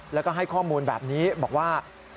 แล้วก็ให้ข้อมูลแบบนี้บอกว่า